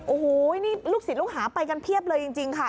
โอ้โหนี่ลูกศิษย์ลูกหาไปกันเพียบเลยจริงค่ะ